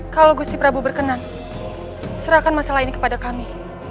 kalau gusti prabu berkenan serahkan masalah ini kepada kami